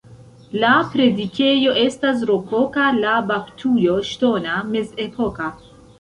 La predikejo estas rokoka, la baptujo ŝtona, mezepoka.